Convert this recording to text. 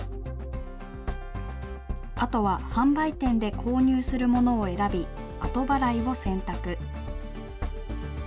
あとは販売店で購入するものを選び、後払いを選択。